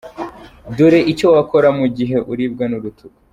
Dore icyo wakora mu gihe uribwa n’urutugu.